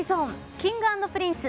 Ｋｉｎｇ＆Ｐｒｉｎｃｅ。